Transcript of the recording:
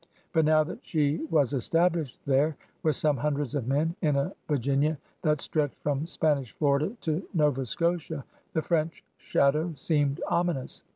But now that she was Sm THOMAS DALE 87 established there, with some hundreds of men in a Virginia that stretched from Spanish Florida to Nova Scotia, the French shadow seemed ominous.